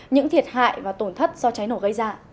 những thiệt hại và tổn thất do cháy nổ gây ra